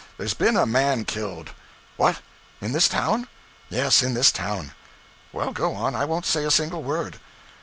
There's been a man killed.' 'What! in this town?' 'Yes, in this town.' 'Well, go on I won't say a single word.'